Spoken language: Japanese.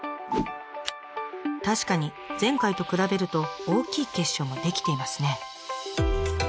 確かに前回と比べると大きい結晶も出来ていますね。